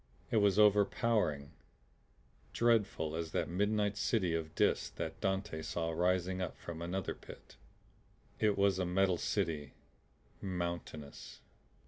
It was overpowering dreadful as that midnight city of Dis that Dante saw rising up from another pit. It was a metal city, mountainous.